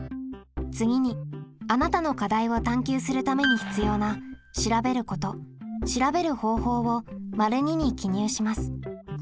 次にあなたの課題を探究するために必要な「調べること」「調べる方法」を②に記入します。